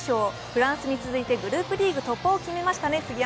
フランスに続いてグループリーグ突破を決めましたね。